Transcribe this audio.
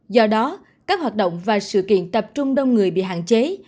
do đó các hoạt động và sự kiện tập trung đông người bị hạn chế